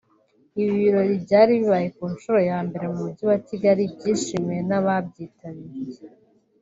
Ibi birori byari bibaye ku nshuro ya mbere mu mujyi wa Kigali byishimiwe n’ababyitabiriye